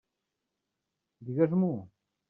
Digues-m'ho!